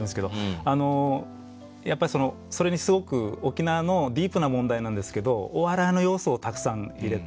あのやっぱりそのそれにすごく沖縄のディープな問題なんですけどお笑いの要素をたくさん入れたんですよ。